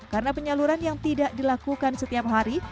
karena penyaluran yang tidak dilakukan setiap hari